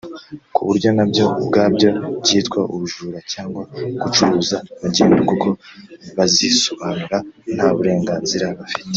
ku buryo nabyo ubwabyo byitwa ubujura cyangwa gucuruza magendu kuko bazisobanura nta burenganzira bafite